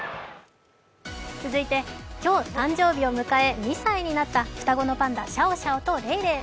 続いて今日、誕生日を迎え２歳となった双子のパンダシャオシャオとレイレイ。